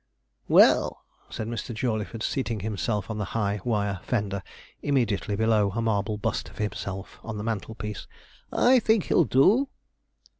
'Well,' said Mr. Jawleyford, seating himself on the high wire fender immediately below a marble bust of himself on the mantelpiece; 'I think he'll do.'